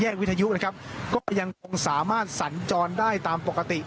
วิทยุนะครับก็ยังคงสามารถสัญจรได้ตามปกติ